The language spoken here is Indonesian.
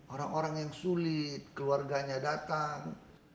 orang orang yang sulit keluarganya datang